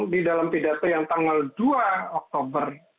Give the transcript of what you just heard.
di dalam pidato yang tanggal dua oktober